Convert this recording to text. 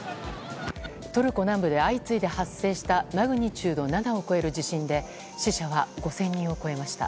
トルコ南部で相次いで発生したマグニチュード７を超える地震で死者は５０００人を超えました。